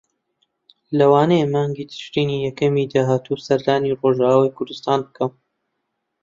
لەوانەیە مانگی تشرینی یەکەمی داهاتوو سەردانی ڕۆژاوای کوردستان بکەم.